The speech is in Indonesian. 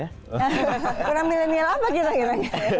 kurang milenial apa kita kira kira